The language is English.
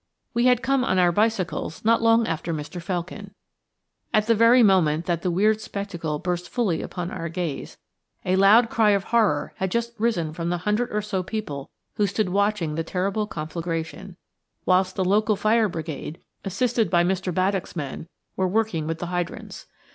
We had come on our bicycles not long after Mr. Felkin. At the very moment that the weird spectacle burst fully upon our gaze, a loud cry of horror had just risen from the hundred or so people who stood watching the terrible conflagration, whilst the local fire brigade, assisted by Mr. Baddock's men, were working with the hydrants.